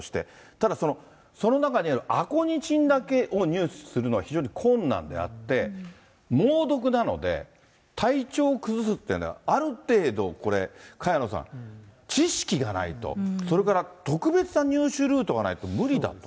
ただ、その中にあるアコニチンだけを入手するのは非常に困難であって、猛毒なので、体調を崩すっていうのは、ある程度、萱野さん、知識がないと、それから特別な入手ルートがないと無理だと。